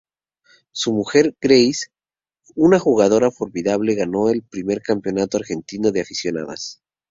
Su mujer, Grace, una jugadora formidable ganó el primer Campeonato Argentino de Aficionadas.